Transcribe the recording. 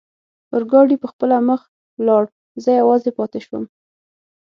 اورګاډي پخپله مخه ولاړ، زه یوازې پاتې شوم.